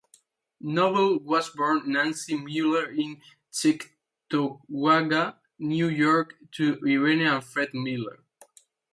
Noble was born Nancy Mueller in Cheektowaga, New York, to Irene and Fred Mueller.